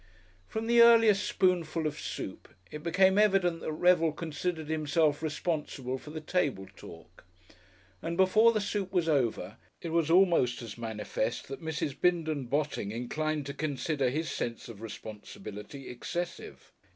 From the earliest spoonful of soup it became evident that Revel considered himself responsible for the table talk. And before the soup was over it was almost as manifest that Mrs. Bindon Botting inclined to consider his sense of responsibility excessive.